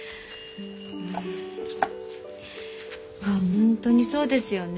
本当にそうですよね。